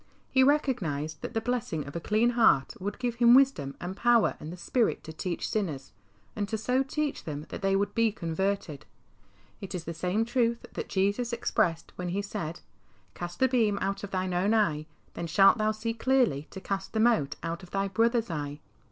He recognised that the blessing of a clean heart would give him wisdom and power and the spirit to teach sinners, and to so teach them that they would be converted. It is the same truth that Jesus expressed when He said, " Cast the beam out of thine own eye, then shalt thou see clearly to cast the mote out of thy brother's eye."